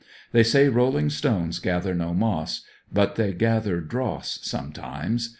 They say rolling stones gather no moss; but they gather dross sometimes.